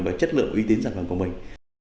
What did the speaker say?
và chất lượng uy tín sản phẩm của mình